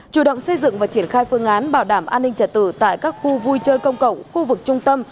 chủ động xây dựng và triển khai phương án bảo đảm an ninh trả tự tại các khu vui chơi công cộng khu vực trung tâm